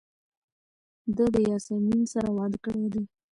ده د یاسمین سره واده کړی دی.